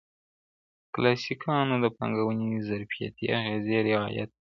کلاسیکانو د پانګوني ظرفیتي اغېزې رعایت کړې.